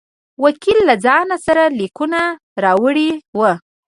وکیل له ځان سره لیکونه راوړي وه.